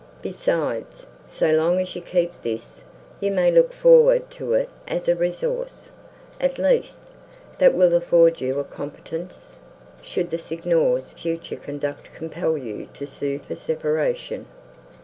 Besides, so long as you keep this, you may look forward to it as a resource, at least, that will afford you a competence, should the Signor's future conduct compel you to sue for separation."